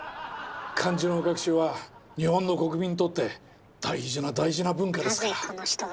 漢字の学習は日本の国民にとって大事な大事な文化ですから。